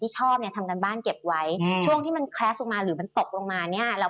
พี่หนิงครับส่วนตอนนี้เนี่ยนักลงทุนอยากจะลงทุนแล้วนะครับเพราะว่าระยะสั้นรู้สึกว่าทางสะดวกนะครับ